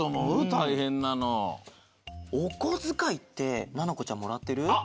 たいへんなの。おこづかいってななこちゃんもらってる？